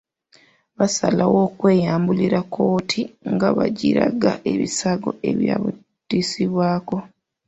Baasalawo okweyambulira kkooti nga bagiraga ebisago ebyabatuusibwako.